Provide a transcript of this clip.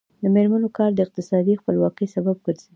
د میرمنو کار د اقتصادي خپلواکۍ سبب ګرځي.